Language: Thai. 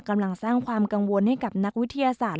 กำลังสร้างความกังวลให้กับนักวิทยาศาสตร์